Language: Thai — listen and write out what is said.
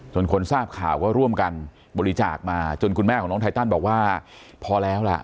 คนทราบข่าวก็ร่วมกันบริจาคมาจนคุณแม่ของน้องไทตันบอกว่าพอแล้วล่ะ